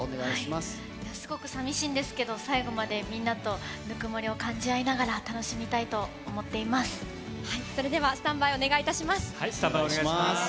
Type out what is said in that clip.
すごく寂しいんですけど、最後までみんなとぬくもりを感じ合いながら楽しみたいと思っていそれではスタンバイお願いいたします。